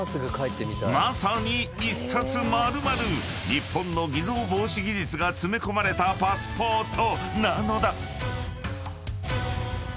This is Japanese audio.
［まさに１冊丸々日本の偽造防止技術が詰め込まれたパスポートなのだ］